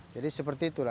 jadi seperti itulah